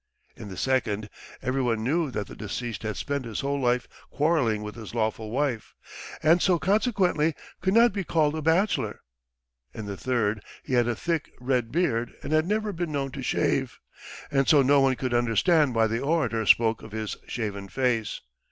In the second, everyone knew that the deceased had spent his whole life quarelling with his lawful wife, and so consequently could not be called a bachelor; in the third, he had a thick red beard and had never been known to shave, and so no one could understand why the orator spoke of his shaven face.